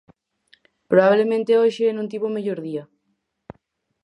Probablemente hoxe non tivo o mellor día.